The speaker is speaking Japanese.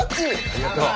ありがとう。